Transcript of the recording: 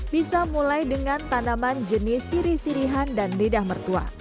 bisa mulai dengan tanaman jenis siri sirihan dan lidah mertua